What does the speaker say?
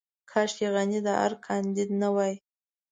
کاشکې غني د ارګ کانديد نه وای.